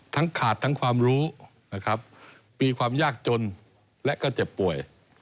ทั้งขาดทั้งความรู้มีความยากจนและก็เจ็บป่วย